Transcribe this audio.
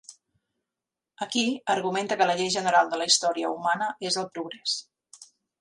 Aquí, argumenta que la llei general de la història humana és el progrés.